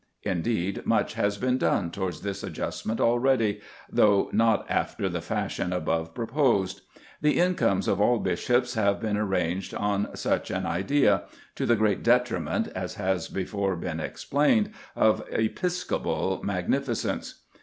Indeed, much has been done towards this adjustment already, though not after the fashion above proposed. The incomes of all bishops have been arranged on such an idea, to the great detriment, as has before been explained, of episcopal magnificence.